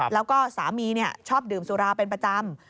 แล้วก็สามีชอบดื่มสุราเป็นประจำ